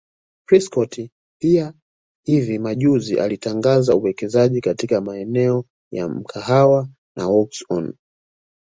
Prescott pia hivi majuzi alitangaza uwekezaji katika maeneo manne ya mkahawa wa WalkOns